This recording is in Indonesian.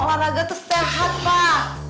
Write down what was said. olahraga tuh sehat pak